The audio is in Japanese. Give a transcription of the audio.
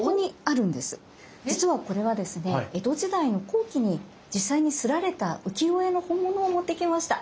実はこれはですね江戸時代の後期に実際に摺られた浮世絵の本物を持ってきました。